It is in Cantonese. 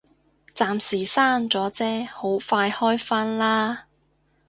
暫時閂咗啫，好快開返啦